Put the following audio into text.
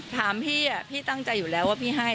ถามพี่พี่ตั้งใจอยู่แล้วว่าพี่ให้